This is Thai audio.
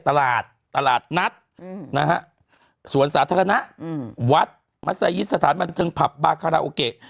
ตลาดตลาดนัทสวนสาธารณะวัฒน์มัศยิตสถานบันทึงผับบาร์คาลาโอเกะ